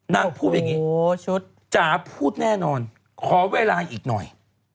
นางพูดอย่างนี้จ๋าพูดแน่นอนขอเวลาอีกหน่อย